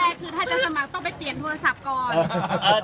แรกคือถ้าจะสมัครต้องไปเปลี่ยนโทรศัพท์ก่อน